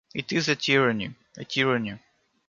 It is a tyranny — a tyranny.